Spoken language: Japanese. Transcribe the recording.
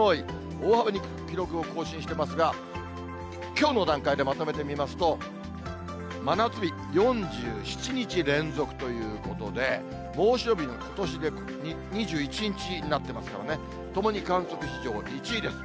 大幅に記録を更新してますが、きょうの段階でまとめてみますと、真夏日４７日連続ということで、猛暑日、ことしで２１日になってますからね、ともに観測史上１位です。